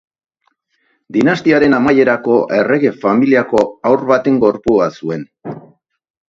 Dinastiaren amaierako errege familiako haur baten gorpua zuen.